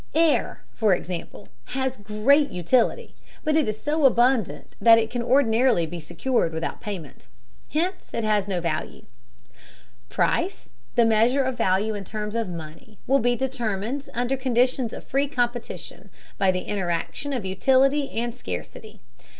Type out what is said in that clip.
Air, for example, has great utility, but it is so abundant that it can ordinarily be secured without payment. Hence it has no value. Price, the measure of value in terms of money, will be determined, under conditions of free competition, by the interaction of utility and scarcity.